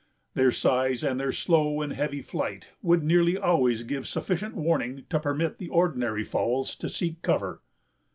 Their size and their slow and heavy flight would nearly always give sufficient warning to permit the ordinary fowls to seek cover.